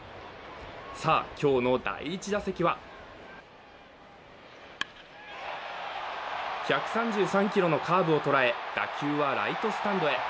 さあ、今日の第１打席は１３３キロのカーブを捉え打球はライトスタンドへ。